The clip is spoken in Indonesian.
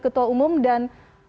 ketua umum dan